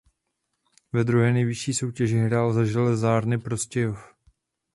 Ve druhé nejvyšší soutěži hrál za Železárny Prostějov.